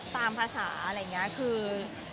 ตามภาษาอะไรอย่างนี้คือ